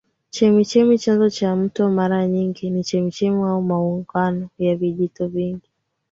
Chemichemi Chanzo cha mto mara nyingi ni chemchemi au maungano ya vijito vidogo